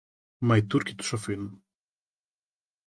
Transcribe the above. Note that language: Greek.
Μα οι Τούρκοι τους αφήνουν;